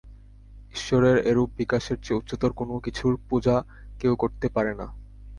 ঈশ্বরের এরূপ বিকাশের চেয়ে উচ্চতর কোন কিছুর পূজা কেউ করতে পারে না।